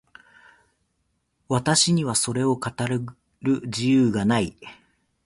私にはそれを語る自由がない。